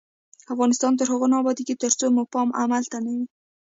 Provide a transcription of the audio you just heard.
افغانستان تر هغو نه ابادیږي، ترڅو مو پام عمل ته نه وي.